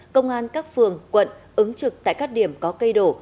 công an các phường quận ứng trực tại các điểm có cây đổ